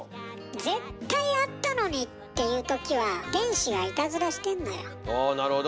絶対あったのに！っていうときはああなるほど。